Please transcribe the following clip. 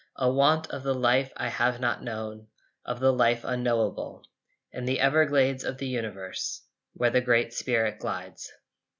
A want of the life I have not known, Of the life unknowable, In the Everglades of the Universe Where the Great Spirit glides.